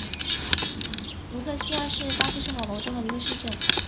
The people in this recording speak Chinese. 卢特西亚是巴西圣保罗州的一个市镇。